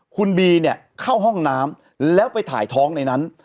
คุณบีเนี่ยเข้าห้องน้ำแล้วไปถ่ายท้องในนั้น